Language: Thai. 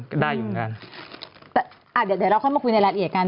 ได้อยู่เหมือนกันแต่อ่ะเดี๋ยวเดี๋ยวเราค่อยมาคุยในรายละเอียดกัน